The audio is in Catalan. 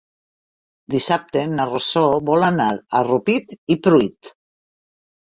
Dissabte na Rosó vol anar a Rupit i Pruit.